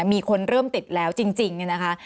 มีคนเริ่มติดแล้วจริงเนี่ยนะคะ